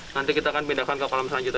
nanti kita akan pindahkan ke kolam selanjutnya